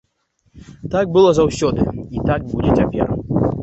Так было заўсёды і так будзе цяпер.